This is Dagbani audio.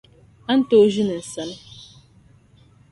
A ni tooi ʒini n sani .